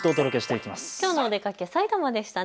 きょうのお出かけ、さいたまでしたね。